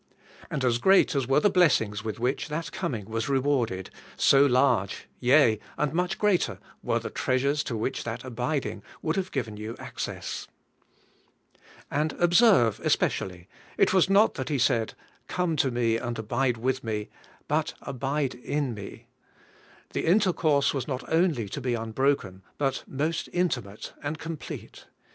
And as great as were the blessings with which that coming was re warded, so large, yea, and much greater, were the treasures to which that abiding would have given you access. And observe especially, it was not that He said, *Oome to me and abide with me,' but, 'Abide in me.'* The intercourse was not only to be unbroken, but most intimate and complete.